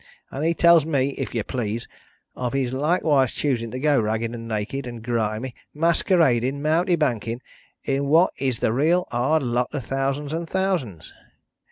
And tells me, if you please, of his likewise choosing to go ragged and naked, and grimy maskerading, mountebanking, in what is the real hard lot of thousands and thousands!